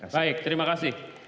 baik terima kasih